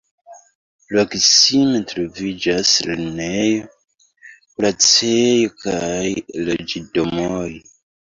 Proksime troviĝas lernejo, kuracejo kaj loĝdomoj.